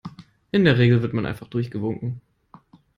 In der Regel wird man einfach durchgewunken.